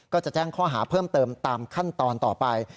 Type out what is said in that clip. ก็จะแจ้งข้อหาเพิ่มเติมตามขั้นตอนต่อไป